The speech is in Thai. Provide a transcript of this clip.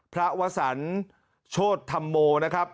พระวสัญชนธรรมมาีแน่